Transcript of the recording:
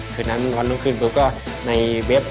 คือนั้นวันต้นคืนปุ๊บก็ในเว็บ